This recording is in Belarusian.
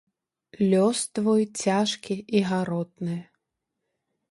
Лёс твой цяжкі і гаротны!